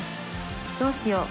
どうしよう。